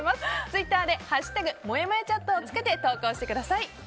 ツイッターで「＃もやもやチャット」をつけて投稿してください。